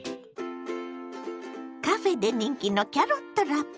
カフェで人気のキャロットラペ。